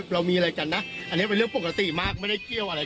เราเดี๋ยวจะลบคลิปเรียกเงินเข้ามา